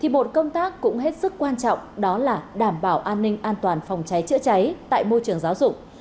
một công tác cũng hết sức quan trọng đó là đảm bảo an ninh an toàn phòng cháy chữa cháy tại môi trường giáo dục